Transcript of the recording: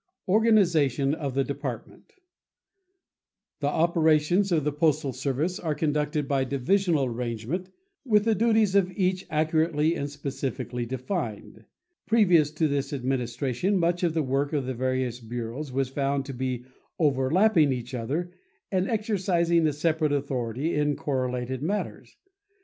ORGANIZATION OF THE DEPARTMENT The operations of the postal service are conducted by divisional arrangement with the duties of each accurately and specifically defined. Previous to this administration much of the work of the various bureaus was found to be overlapping each other and exercising a separate authority in correlated matters.